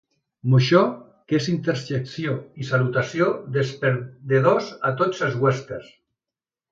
Moixó que és interjecció i salutació dels perdedors a tots els westerns.